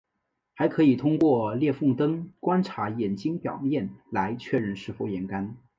还可以通过裂缝灯观察眼睛表面来确认是否眼干。